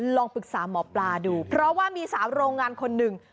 ลองปรึกษาหมอปลาดูเพราะว่ามีสาวโรงงานคนหนึ่ง